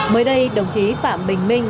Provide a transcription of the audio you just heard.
mới đây đồng chí phạm văn nguyên